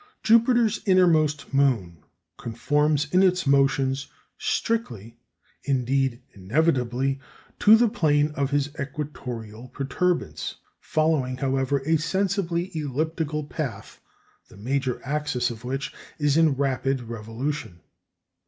Jupiter's innermost moon conforms in its motions strictly, indeed inevitably, to the plane of his equatorial protuberance, following, however, a sensibly elliptical path the major axis of which is in rapid revolution.